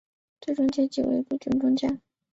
最终阶级为陆军中将。